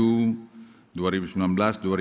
pembangunan lima tahun kabinet indonesia maju